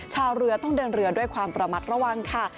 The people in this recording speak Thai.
ชาวเรือต้องเดินเรือด้วยความระมัดระวังค่ะ